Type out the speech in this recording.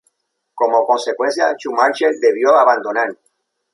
Como consecuencia, Schumacher debió abandonar.